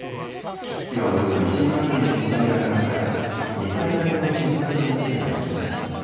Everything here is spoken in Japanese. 火はおよそ１時間後に消し止められましたが２階建ての住宅の一部が焼けました。